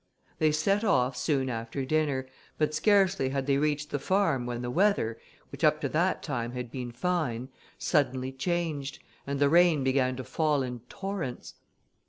They set off soon after dinner; but scarcely had they reached the farm, when the weather, which up to that time had been fine, suddenly changed, and the rain began to fall in torrents.